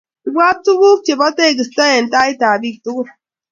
Ibwat tuguk che bo teegisto eng' taitab bik tugul.